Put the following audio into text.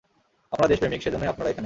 আপনারা দেশপ্রেমিক, সেজন্যই আপনারা এখানে।